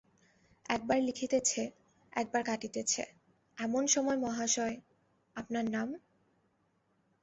একবার লিখিতেছে, একবার কাটিতেছে, এমন সময় মহাশয়, আপনার নাম?